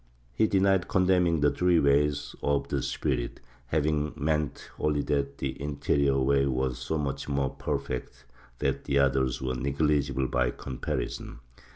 He denied condemning the three ways of the spirit, having meant only that the interior way was so much more perfect that the others were negligible by comparison.